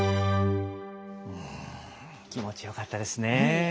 うん気持ちよかったですね。